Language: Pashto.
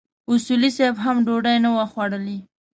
اصولي صیب هم ډوډۍ نه وه خوړلې.